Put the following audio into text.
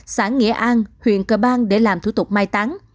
xã nghĩa an huyện cờ bang để làm thủ tục mai tán